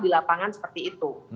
di lapangan seperti itu